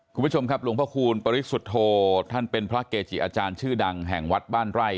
คุณผู้ชมครับหลวงพระคูณปริสุทธโธท่านเป็นพระเกจิอาจารย์ชื่อดังแห่งวัดบ้านไร่